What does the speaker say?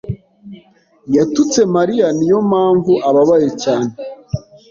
yatutse Mariya. Niyo mpamvu ababaye cyane.